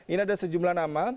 ini ada sejumlah nama